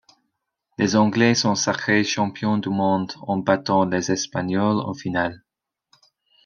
Les anglais sont sacrés champions du monde en battant les Espagnols en finale.